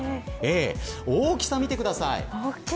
大きさ見てください。